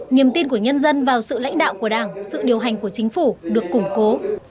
niềm tin của nhân dân vào sự lãnh đạo của đảng sự điều hành của chính phủ được củng cố